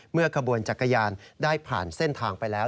ขบวนจักรยานได้ผ่านเส้นทางไปแล้ว